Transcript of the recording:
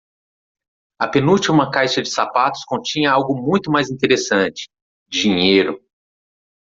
A penúltima caixa de sapatos continha algo muito mais interessante - dinheiro.